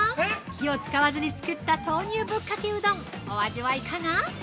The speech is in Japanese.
火を使わずに作った豆乳ぶっかけうどん、お味はいかが？